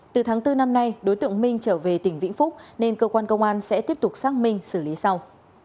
từ tháng bốn năm nay đối tượng minh trở về tỉnh vĩnh phúc nên cơ quan công an sẽ tiếp tục xác minh xử lý sau